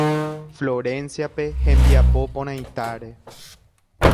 Florenciape hembiapo porãitáre.